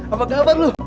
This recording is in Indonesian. apa kabar lu